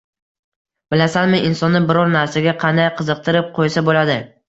- Bilasanmi, insonni biror narsaga qanday qiziqtirib qo'ysa bo'ladi?